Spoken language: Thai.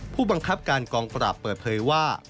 ผู้บังคับการกองปราบเปิดเผยว่า